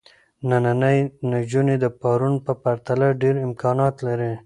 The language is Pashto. نننۍ نجونې د پرون په پرتله ډېر امکانات لري.